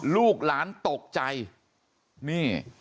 ลูกหลานตกใจ